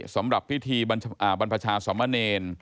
สำหรับพิธีบรรพชาสมเนร